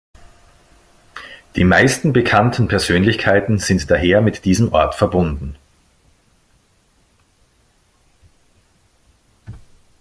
Die meisten bekannten Persönlichkeiten sind daher mit diesem Ort verbunden.